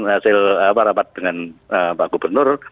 hasil rapat dengan pak gubernur